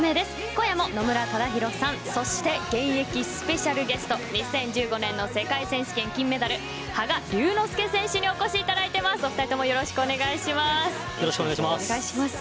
今夜も野村忠宏さんそして現役スペシャルゲスト２０１５年の世界選手権金メダル羽賀龍之介選手にお越しいただいています。